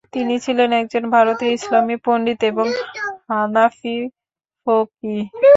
তিনি ছিলেন একজন ভারতীয় ইসলামি পণ্ডিত এবং হানাফি ফকিহ।